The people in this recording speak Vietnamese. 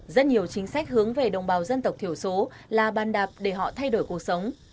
rất nhiều chính sách hướng về đồng bào dân tộc thiểu số là bàn đạp để họ thay đổi cuộc sống